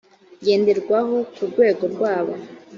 ngenderwaho ku rwego rwabo